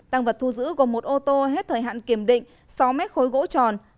tăng vật thu giữ gồm một ô tô hết thời hạn kiểm định sáu mét khối gỗ tròn